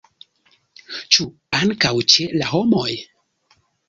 Ĉu ankaŭ ĉe la homoj?